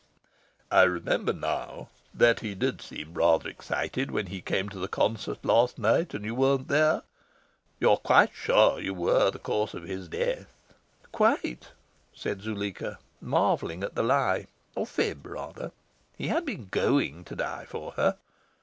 I remember now that he did seem rather excited when he came to the concert last night and you weren't yet there... You are quite sure you were the cause of his death?" "Quite," said Zuleika, marvelling at the lie or fib, rather: he had been GOING to die for her.